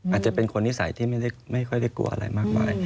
อาจจะเป็นคนนิสัยที่ไม่ค่อยได้กลัวอะไรมากมาย